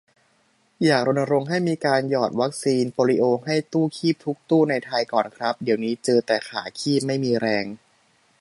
อยากรณรงค์ให้มีการหยอดวัคซีนโปลิโอให้ตู้คีบทุกตู้ในไทยก่อนครับ เดี๋ยวนี้เจอแต่ขาคีบไม่มีแรง